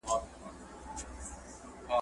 ورته بند یې کړله نس ته خپل ښکرونه `